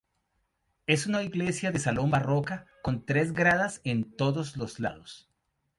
Es una iglesia de salón barroca con tres gradas en todos los lados.